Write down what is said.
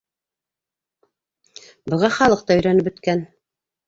Быға халыҡ та өйрәнеп бөткән.